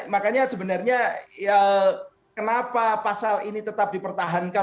makanya sebenarnya kenapa pasal ini tetap dipertahankan